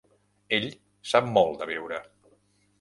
Ell sap molt de viure.